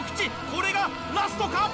これがラストか？